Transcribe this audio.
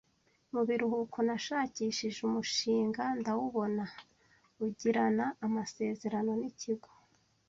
Mu biruhuko nashakishije umushinga ndawubona ugirana amasezerano n’ikigo